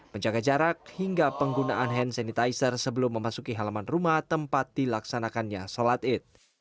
menjaga jarak hingga penggunaan hand sanitizer sebelum memasuki halaman rumah tempat dilaksanakannya sholat id